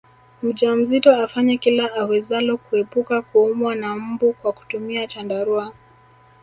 Mjamzito afanye kila awezalo kuepuka kuumwa na mbu kwa kutumia chandarua